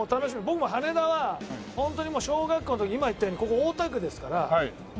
僕も羽田はホントにもう小学校の時今言ったようにここ大田区ですから僕はね